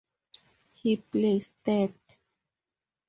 He placed third.